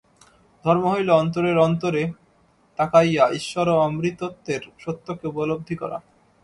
ধর্ম হইল অন্তরের অন্তরে তাকাইয়া ঈশ্বর ও অমৃতত্বের সত্যকে উপলব্ধি করা।